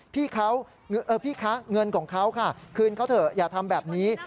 พี่เขาพี่คะเงินของเขาค่ะคืนเขาเถอะอย่าทำแบบนี้